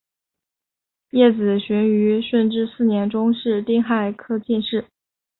叶子循于顺治四年中式丁亥科进士。